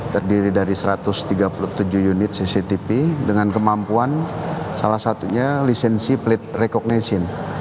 terdiri dari satu ratus tiga puluh tujuh unit cctv dengan kemampuan salah satunya lisensi plate recognition